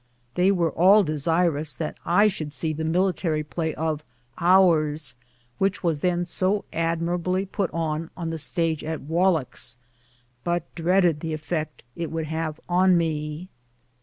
They were all desirous that I should see the military play of " Ours," which was then so ad mirably put on the stage at Wallack's, but dreaded the effect it would have on me.